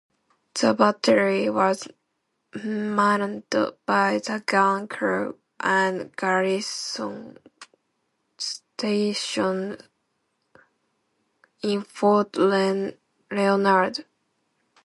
The battery was manned by the gun crew and garrison stationed in Fort Leonardo.